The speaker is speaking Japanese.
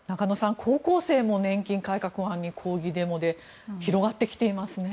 高校生も年金改革案に抗議デモで広がってきていますね。